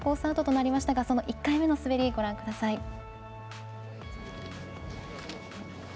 アウトとなりましたが１回目の滑りご覧ください。